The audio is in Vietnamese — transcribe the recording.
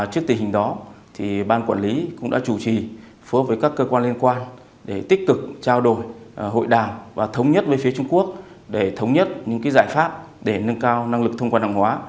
trước tình hình đó ban quản lý cũng đã chủ trì phối hợp với các cơ quan liên quan để tích cực trao đổi hội đàm và thống nhất với phía trung quốc để thống nhất những giải pháp để nâng cao năng lực thông quan hàng hóa